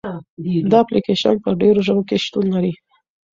دا اپلیکیشن په ډېرو ژبو کې شتون لري.